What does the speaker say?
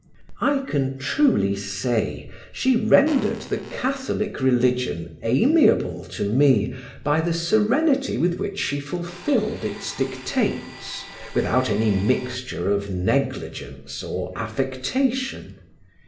I can truly say, she rendered the Catholic religion amiable to me by the serenity with which she fulfilled its dictates, without any mixture of negligence or affectation.